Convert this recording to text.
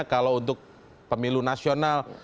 kalau untuk pemilu nasional